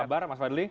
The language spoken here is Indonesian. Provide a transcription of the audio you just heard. apa kabar mas fadli